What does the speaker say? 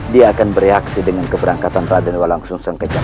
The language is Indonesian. dia akan bereaksi dengan keberangkatan radenwa langsung sekejap